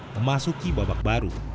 memasuki babak baru